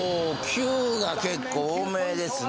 ９が結構多めですね